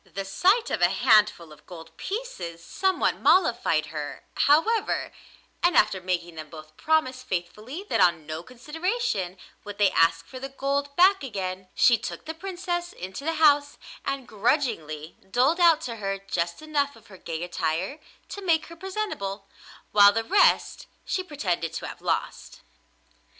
The sight of a handful of gold pieces somewhat mollified her, however, and after making them both promise faithfully that on no consideration would they ask for the gold back again, she took the Princess into the house and grudgingly doled out to her just enough of her gay attire to make her presentable, while the rest she pretended to have lost.